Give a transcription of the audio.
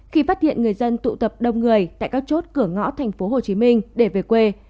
khi phát hiện người dân tụ tập đông người tại các chốt cửa ngõ thành phố hồ chí minh để về quê